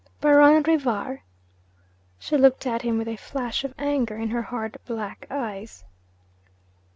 'Baron Rivar?' She looked at him with a flash of anger in her hard black eyes.